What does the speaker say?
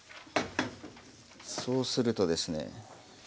そうするとですね